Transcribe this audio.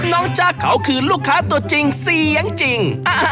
น้องจ้าเขาคือลูกค้าตัวจริงซี่ยังจริง